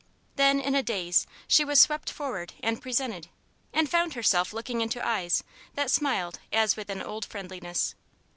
Then, in a daze, she was swept forward and presented, and found herself looking into eyes that smiled as with an old friendliness.